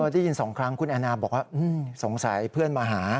ได้ยิน๒ครั้งคุณแอนนาบอกว่าสงสัยเพื่อนมาหา